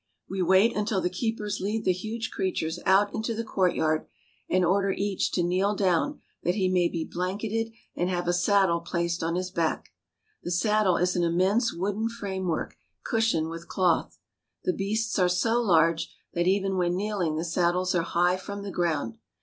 We wait until the keepers lead the huge creatures out into the courtyard, and order each to kneel down that he may be blanketed and have a saddle placed on his back. The saddle is an immense wooden framework — the street sprinkling machine 292 THE NATIVE STATES OF INDIA cushioned with cloth. The beasts are so large that even when kneeling the saddles are high from the ground.